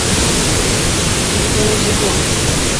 তিনি বিদ্যালয়ের শিক্ষক হন।